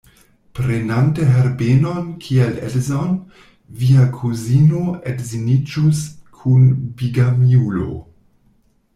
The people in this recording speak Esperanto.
Prenante Herbenon kiel edzon, via kuzino edziniĝus kun bigamiulo.